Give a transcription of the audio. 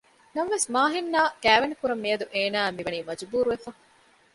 ނަމަވެސް މާހިން އާ ކައިވެނިކުރަން މިޔަދު އޭނާއަށް މި ވަނީ މަޖުބޫރުވެފަ